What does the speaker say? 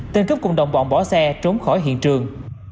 tên cướp cùng đồng bọn bỏ xe trốn khỏi hiện trường